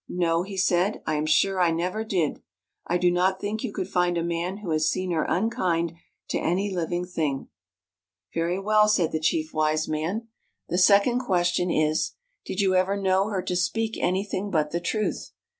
No," he said, " I am sure I never did. I do not think you could find a man who has seen her unkind to any living thing." " Very well," said the Chief Wise Man. " The second question is: Did you ever know her to speak anything but the truth?